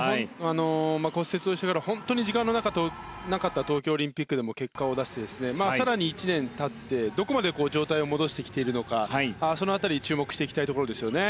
骨折をしてから時間のなかった東京オリンピックでも結果を出して更に、１年経って、どこまで状態を戻してきているのかに注目したいですね。